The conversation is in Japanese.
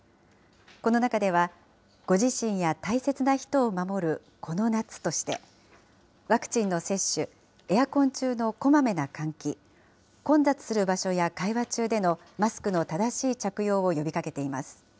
この中では、ご自身や大切な人を守るこの夏として、ワクチンの接種、エアコン中のこまめな換気、混雑する場所や会話中でのマスクの正しい着用を呼びかけています。